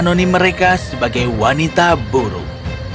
menonim mereka sebagai wanita burung